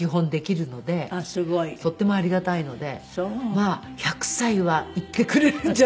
まあ１００歳はいってくれるんじゃないかと。